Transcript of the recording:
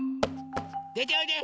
でておいで！